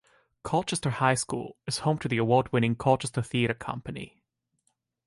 Colchester High School is home to the award-winning Colchester Theatre Company.